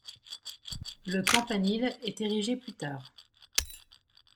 Le campanile est érigé plus tard.